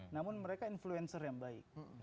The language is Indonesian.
namun mereka influencer yang baik